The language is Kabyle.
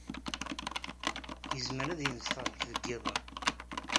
Yezmer ad yens ɣer-k deg yiḍ-a?